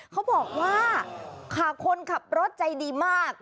เขาบอกว่าค่ะคนขับรถใจดีมาก